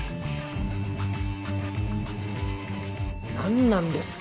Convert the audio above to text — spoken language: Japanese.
何なんですか！